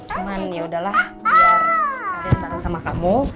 cuman yaudahlah biar sekalian bareng sama kamu